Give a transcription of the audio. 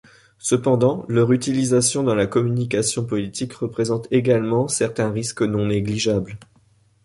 Cependant, leur utilisation dans la communication politique représente également certains risques non négligeables.